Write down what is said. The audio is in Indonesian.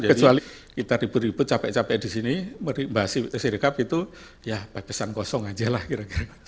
kecuali kita ribut ribut capek capek di sini mbak sirikap itu ya batasan kosong aja lah kira kira